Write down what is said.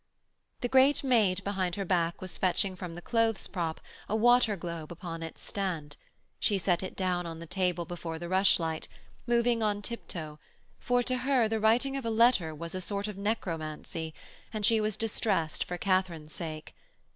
The great maid behind her back was fetching from the clothes prop a waterglobe upon its stand; she set it down on the table before the rush light, moving on tiptoe, for to her the writing of a letter was a sort of necromancy, and she was distressed for Katharine's sake.